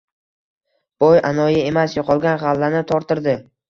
Boy anoyi emas yo‘qolgan g‘allani toptirdi.